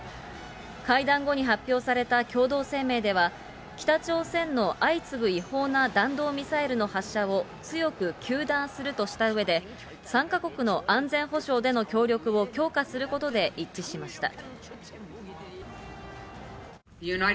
会談後に発表された共同声明では、北朝鮮の相次ぐ違法な弾道ミサイルの発射を強く糾弾するとしたうえで、３か国の安全保障での協力を強化することで一致しました。